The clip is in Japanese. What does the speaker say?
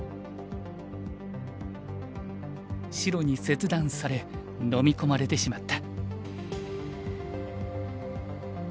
白に切断されのみ込まれてしまった。